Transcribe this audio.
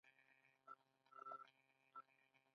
د بوټو څخه درمل جوړیدل